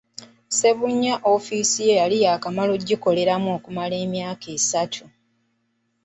Ssebunya ofiice ye yali yaakagikoleramu okumala emyaka esatu.